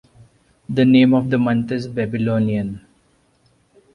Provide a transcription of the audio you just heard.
The name of the month is Babylonian.